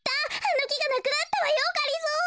あのきがなくなったわよがりぞー。